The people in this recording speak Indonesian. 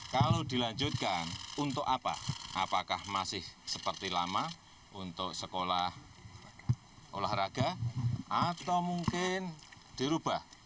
kalau dilanjutkan untuk apa apakah masih seperti lama untuk sekolah olahraga atau mungkin dirubah